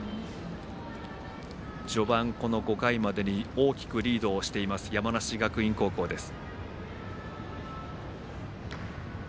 序盤、この５回までに大きくリードをしています山梨学院高校です。